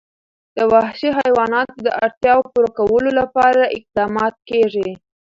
د وحشي حیواناتو د اړتیاوو پوره کولو لپاره اقدامات کېږي.